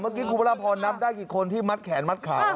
เมื่อกี้คุณพระราพรนับได้กี่คนที่มัดแขนมัดขา